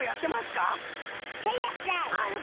へいらっしゃい！